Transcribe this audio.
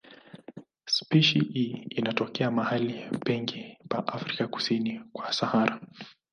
Spishi hii inatokea mahali pengi pa Afrika kusini kwa Sahara.